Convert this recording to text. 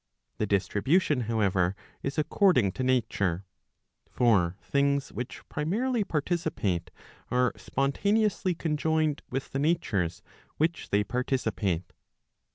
The distribution, however, is according to nature. For things which primarily participate are spontaneously conjoined with the natures which they participate.